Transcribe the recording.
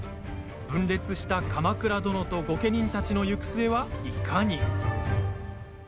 分裂した鎌倉殿と御家人たちの行く末は、いかに。